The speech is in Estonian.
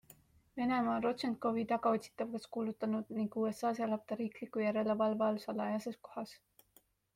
Venemaa on Rodtšenkovi tagaotsitavaks kuulutanud ning USAs elab ta riikliku järelevalve all salajases kohas.